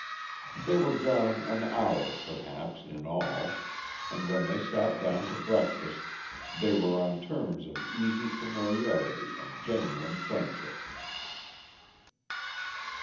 They were gone an hour, perhaps, in all, and when they sat down to breakfast they were on terms of easy familiarity and genuine friendship.